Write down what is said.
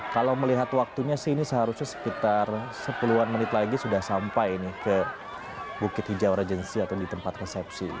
kalau melihat waktunya sih ini seharusnya sekitar sepuluh an menit lagi sudah sampai ke bukit hijau regency atau di tempat resepsi